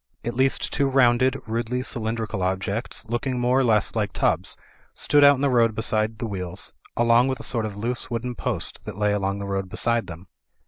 At least two rounded, rudely cylindrical objects, looking more or less like tubs, stood out in the road beside the wheels, along with a sort of loose wooden post that lay along the road beside them.